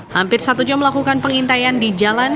hampir satu jam melakukan pengintaian di jalan